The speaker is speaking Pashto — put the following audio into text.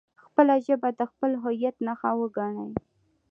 خپله ژبه د خپل هویت نښه وګڼئ.